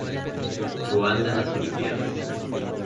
Ruanda en las Olimpíadas